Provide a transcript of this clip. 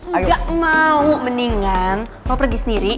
gak mau mendingan lo pergi sendiri